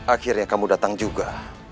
akhirnya kamu datang juga